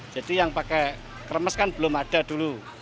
jadi yang pakai kremes kan belum ada dulu